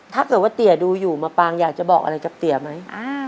ถ้าเกิดว่าเตี๋ยดูอยู่มาปางอยากจะบอกอะไรกับเตี๋ยไหม